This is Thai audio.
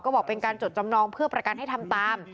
ก็บอกเป็นการจดจำนองเพื่อประกันให้ทำตาม